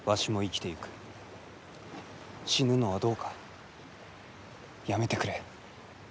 死ぬのはどうかやめてくれ。